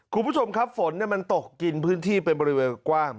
คุณผู้ชมครับฝนมันตกกินพื้นที่เป็นบริเวณกว้าง